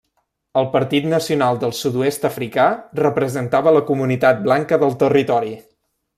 El partit Nacional del Sud-oest africà representava la comunitat blanca del territori.